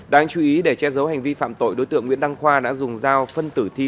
đáng chú ý để che giấu hành vi phạm tội đối tượng nguyễn đăng khoa đã dùng dao phân tử thi